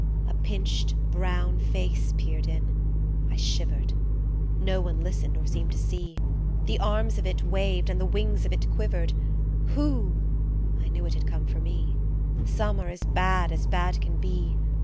A pinched brown face peered in I shivered ; No one listened or seemed to see ; The arms of it waved and the wings of it quivered, Whoo f knew it had come for me ; Some are as bad as bad can be